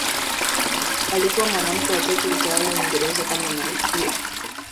Alikuwa mwanamke wa tatu kutawala Uingereza kama malkia.